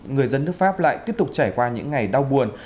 người dân nước pháp lại tiếp tục trải qua những ngày đau buồn